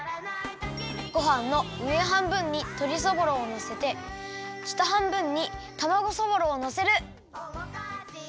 ごはんのうえはんぶんにとりそぼろをのせてしたはんぶんにたまごそぼろをのせる！